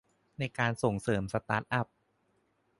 ในการส่งเสริมสตาร์ทอัพ